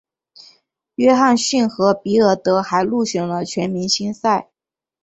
约翰逊和比尔德还入选了全明星赛。